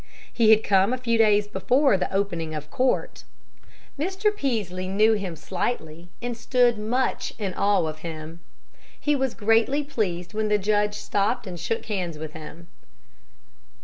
He had come a few days before the opening of court. Mr. Peaslee knew him slightly, and stood much in awe of him. He was greatly pleased when the judge stopped and shook hands with him.